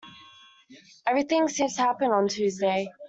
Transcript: Everything seems to happen on Tuesday.